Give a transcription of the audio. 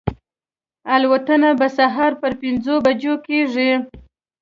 الوتنه به سهار پر پنځو بجو کېږي.